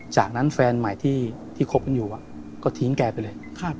จากนั้นแฟนใหม่ที่คบกันอยู่ก็ทิ้งแกไปเลย